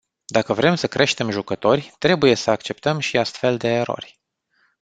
Dacă vrem să creștem jucători, trebuie să acceptăm și astfel de erori.